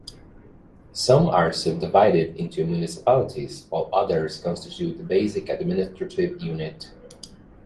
Some are subdivided into municipalities, whiles others constitute the basic administrative unit.